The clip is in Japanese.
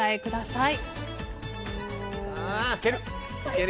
いける。